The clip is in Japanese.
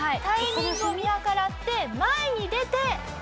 タイミングを見計らって前に出て。